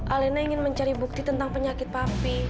alena ingin mencari bukti tentang penyakit papi